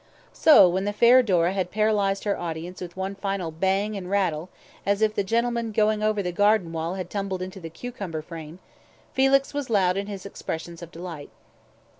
So, when the fair Dora had paralysed her audience with one final bang and rattle, as if the gentleman going over the garden wall had tumbled into the cucumber frame, Felix was loud in his expressions of delight.